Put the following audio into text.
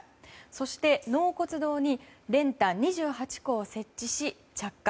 そして納骨堂に練炭２８個を設置し着火。